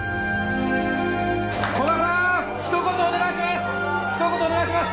古賀さん、ひと言お願いします。